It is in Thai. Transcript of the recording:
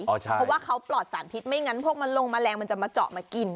เพราะว่าเขาปลอดสารพิษไม่งั้นพวกมันลงแมลงมันจะมาเจาะมากิน